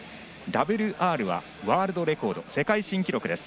ＷＲはワールドレコード世界新記録です。